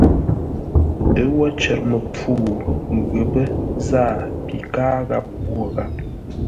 Ə́ wó cər məpfû, ghəpə́ záa pi káa gháp ghwó gháp.